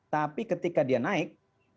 tapi ketika dia naik